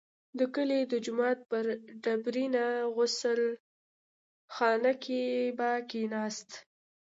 د کلي د جومات په ډبرینه غسل خانه کې به کښېناست.